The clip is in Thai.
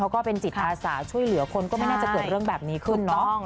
ก็เป็นจิตอาสาช่วยเหลือคนก็ไม่น่าจะเกิดเรื่องแบบนี้ขึ้นเนาะ